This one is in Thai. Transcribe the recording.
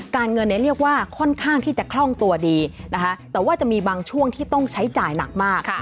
เงินเนี่ยเรียกว่าค่อนข้างที่จะคล่องตัวดีนะคะแต่ว่าจะมีบางช่วงที่ต้องใช้จ่ายหนักมาก